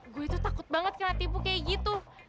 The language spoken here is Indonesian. gue itu takut banget kena tipu kayak gitu